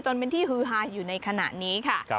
จนเป็นที่ฮือฮาอยู่ในขณะนี้ค่ะ